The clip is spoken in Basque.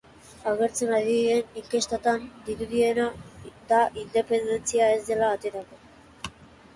Agertzen ari diren inkestetan dirudiena da independentzia ez dela aterako.